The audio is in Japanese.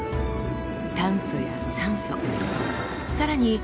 炭素や酸素さらに